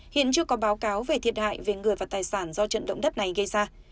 hiện chưa có báo cáo về thiệt hại về người và tài sản do trận động đất này gây ra